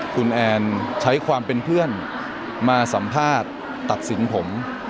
คุณแอนใช้ความเป็นเพื่อนมาสัมภาษณ์ตัดสินผม